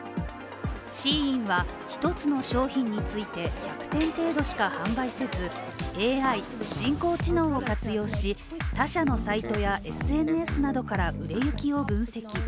ＳＨＥＩＮは、一つの商品について１００点程度しか販売せずＡＩ＝人工知能を活用し、他社のサイトやＳＮＳなどから売れ行きを分析。